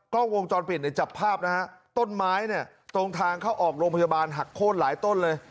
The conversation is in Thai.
กล้องวงจรปิดในจับภาพนะฮะต้นไม้เนี่ยตรงทางเข้าออกโรงพยาบาลหักโค้นหลายต้นเลย